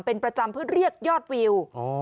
เป็นประจำเพื่อเรียกยอดวิว